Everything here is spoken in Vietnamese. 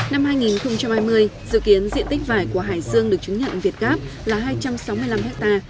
năm hai nghìn hai mươi dự kiến diện tích vải của hải dương được chứng nhận việt gáp là hai trăm sáu mươi năm ha